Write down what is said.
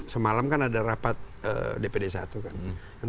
semalam kan ada rapat dpd satu kan